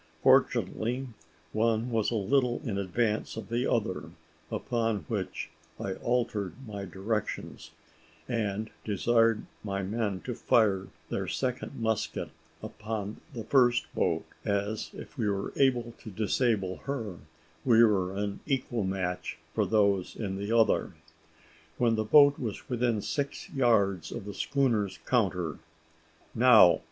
Fortunately, one was a little in advance of the other; upon which I altered my directions, and desired my men to fire their second musket upon the first boat, as, if we could disable her, we were an equal match for those in the other. When the boat was within six yards of the schooner's counter. "Now!"